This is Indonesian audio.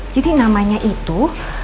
jadi namanya itu